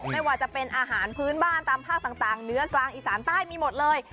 ไม่ว่าจะเป็นอาหารพื้นบ้านตามภาคต่างเนื้อกลางอีสานใต้มีหมดเลย